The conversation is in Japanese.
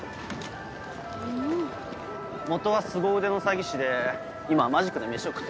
元はすご腕の詐欺師で今はマジックでメシを食ってる。